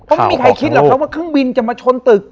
เพราะไม่มีใครคิดหรอกว่าเครื่องบินจะมาชนตึก